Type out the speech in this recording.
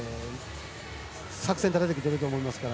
作戦立ててると思いますから。